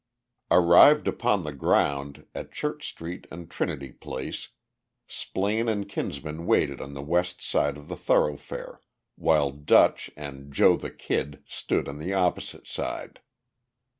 Arrived upon the ground, at Church street and Trinity Place, Splaine and Kinsman waited on the west side of the thoroughfare, while "Dutch" and "Joe the Kid" stood on the opposite side.